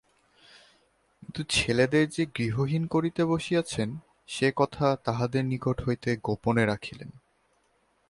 কিন্তু ছেলেদের যে গৃহহীন করিতে বসিয়াছেন সে কথা তাহাদের নিকট হইতে গোপেনে রাখিলেন।